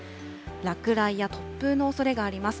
落雷や突風のおそれがあります。